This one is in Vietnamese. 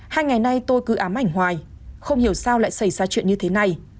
hai ngày nay tôi cứ ám ảnh hoài không hiểu sao lại xảy ra chuyện như thế này